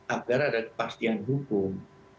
agar ada kepastian hukum